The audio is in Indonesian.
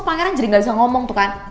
pangeran jadi gak bisa ngomong tuh kan